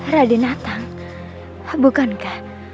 rade natang bukankah